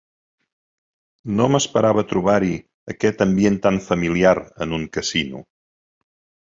No m'esperava trobar-hi aquest ambient tan familiar, en un casino.